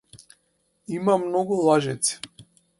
Има многу лажици.